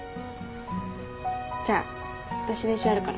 じゃあ私練習あるから。